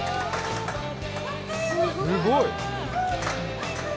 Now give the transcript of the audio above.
すごい！